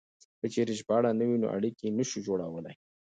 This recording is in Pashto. که چېرې ژباړه نه وي نو اړيکې نه شو جوړولای.